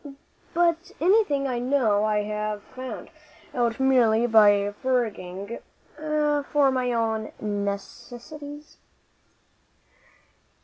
But anything I know I have found out merely by foraging for my own necessities."